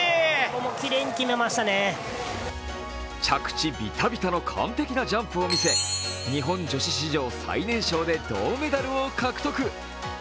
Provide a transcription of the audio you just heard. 着地ビタビタの完璧なジャンプを見せ日本女子史上最年少で銅メダルを獲得。